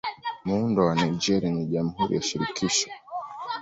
Muundo wa Nigeria ni Jamhuri ya Shirikisho.